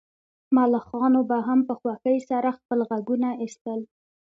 ملخانو به هم په خوښۍ سره خپل غږونه ایستل